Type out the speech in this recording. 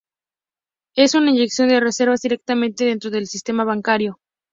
Es una inyección de reservas directamente dentro del sistema bancario.